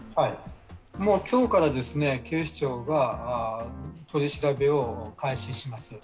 今日から警視庁が取り調べを開始します。